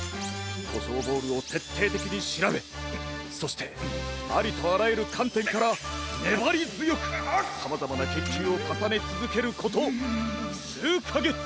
コショウボールをてっていてきにしらべそしてありとあらゆるかんてんからねばりづよくさまざまなけんきゅうをかさねつづけることすうかげつ。